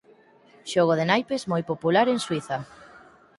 Xogo de naipes moi popular en Suíza.